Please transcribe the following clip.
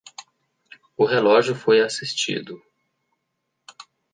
O relógio foi assistido.